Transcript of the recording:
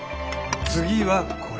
次はこれ。